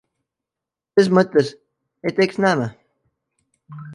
Ses mõttes, et eks näeme.